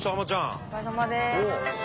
お疲れさまです。